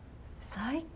最高？